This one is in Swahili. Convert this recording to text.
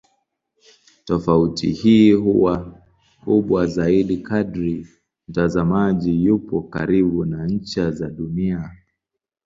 Tofauti hii huwa kubwa zaidi kadri mtazamaji yupo karibu na ncha za Dunia.